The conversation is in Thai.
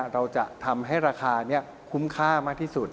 เราจะทำให้ราคานี้คุ้มค่ามากที่สุด